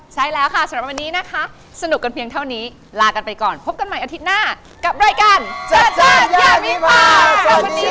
ใช่แล้วค่ะสำหรับวันนี้นะคะสนุกกันเพียงเท่านี้ลากันไปก่อนพบกันใหม่อาทิตย์หน้ากับรายการจ๊ะจ๊ะอย่ามีปากสวัสดีสวัสดีค่ะ